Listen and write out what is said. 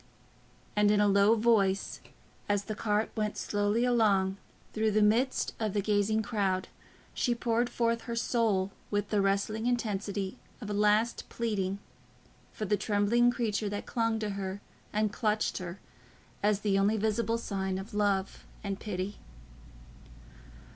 And in a low voice, as the cart went slowly along through the midst of the gazing crowd, she poured forth her soul with the wrestling intensity of a last pleading, for the trembling creature that clung to her and clutched her as the only visible sign of love and pity.